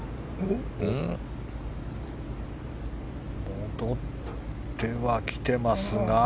戻ってはきてますが。